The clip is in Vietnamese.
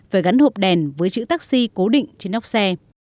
phải gắn hộp đèn với chữ taxi cố định trên nóc xe